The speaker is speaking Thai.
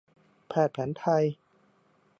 แพทย์แผนไทย